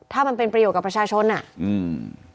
ถ้ามันเป็นประโยชน์กับประชาชนอ่ะอืม